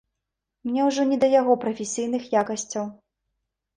Мне ўжо не да яго прафесійных якасцяў.